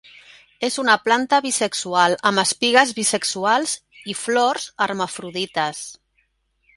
És una planta bisexual, amb espigues bisexuals; i flors hermafrodites.